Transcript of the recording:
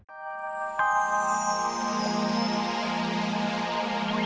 aka hidupnya dengan juara barusan barusan berbahaya